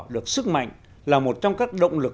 được sức mạnh là một trong các động lực